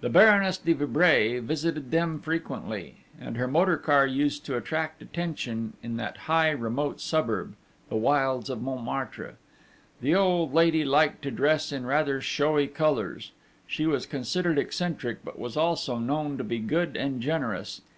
The Baroness de Vibray visited them frequently, and her motor car used to attract attention in that high, remote suburb the wilds of Montmartre. The old lady liked to dress in rather showy colours; she was considered eccentric, but was also known to be good and generous.